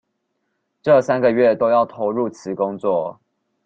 這三個月都要投入此工作